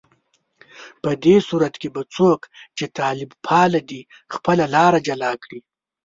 په دې صورت کې به څوک چې طالب پاله دي، خپله لاره جلا کړي